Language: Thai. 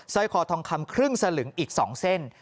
ร้อยคอทองคำครึ่งสลึงอีก๒เส้น